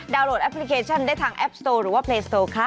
ดาวน์โหลดแอปพลิเคชันได้ทางแอปโตร์หรือว่าเพลย์โตร์ค่ะ